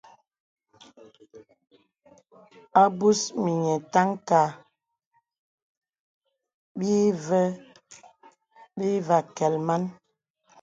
A mbus mìnyè taŋ kàà bə̄ î vè akɛ̀l man.